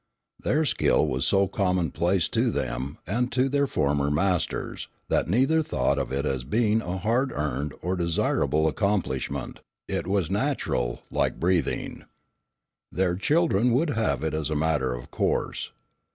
Their skill was so commonplace to them, and to their former masters, that neither thought of it as being a hard earned or desirable accomplishment: it was natural, like breathing. Their children would have it as a matter of course.